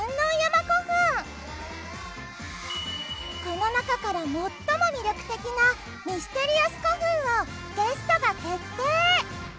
この中から最も魅力的なミステリアス古墳をゲストが決定。